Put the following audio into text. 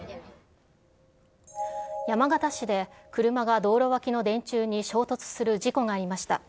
山形市で車が道路脇の電柱に衝突する事故がありました。